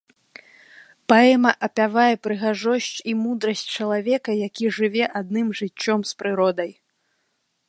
Паэма апявае прыгажосць і мудрасць чалавека, які жыве адным жыццём з прыродай.